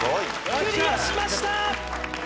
クリアしました！